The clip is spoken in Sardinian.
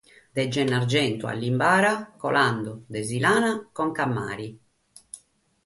Dae Gennargentu a Limbara colende dae Sìlana conca a mare.